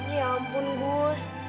ya ampun gus